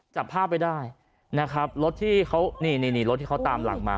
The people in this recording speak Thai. จับภาพไว้ได้นะครับรถที่เขานี่นี่รถที่เขาตามหลังมา